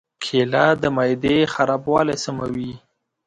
کېله د معدې خرابوالی سموي.